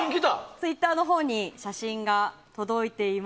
ツイッターのほうに写真が届いています。